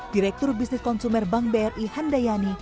direktur bisnis konsumer bank bri handayani